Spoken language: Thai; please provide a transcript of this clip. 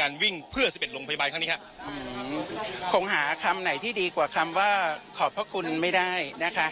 การวิ่งเพื่อเข้าไปละครั้งนี้ค่ะผมคงหาคำไหนที่ดีกว่าคำว่าขอบทุกคนไม่ได้นะคะ